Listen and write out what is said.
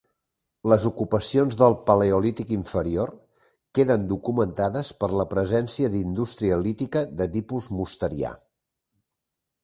Les ocupacions del paleolític inferior queden documentades per la presència d'indústria lítica de tipus mosterià.